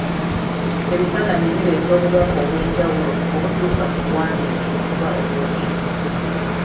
Ebifaananyi bireeta obubaka obw'enjawulo obusukka ku buwandiike oba obwogere.